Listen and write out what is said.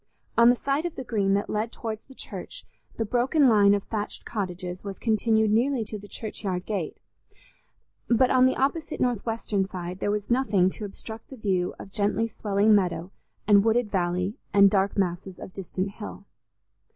On the side of the Green that led towards the church, the broken line of thatched cottages was continued nearly to the churchyard gate; but on the opposite northwestern side, there was nothing to obstruct the view of gently swelling meadow, and wooded valley, and dark masses of distant hill.